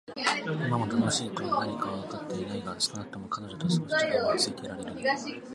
今も「楽しい」とは何かはわかってはいないが、少なくとも彼女と過ごす時間は落ち着いていられる。